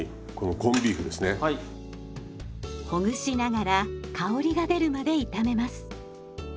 ほぐしながら香りが出るまで炒めます。